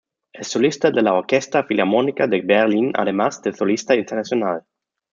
Es solista de la Orquesta Filarmónica de Berlín además de Solista internacional.